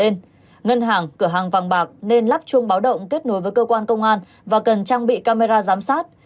ngân hàng cửa hàng vàng bạc nên lắp chuông báo động kết nối với cơ quan công an và cần trang bị camera giám sát